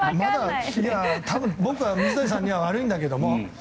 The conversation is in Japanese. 僕は水谷さんには悪いんだけど。